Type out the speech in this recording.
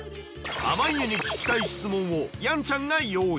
濱家に聞きたい質問をやんちゃんが用意。